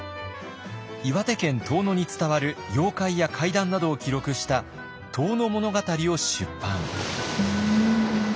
岩手県遠野に伝わる妖怪や怪談などを記録した「遠野物語」を出版。